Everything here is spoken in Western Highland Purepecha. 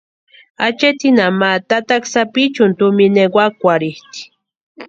Acheetinha ma tataka sapichuni tumina ewakwarhitʼi.